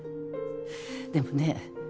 でもね